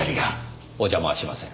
お邪魔はしません。